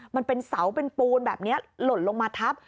มันเป็นเสาเป็นปูนแบบนี้หล่นลงมาทับ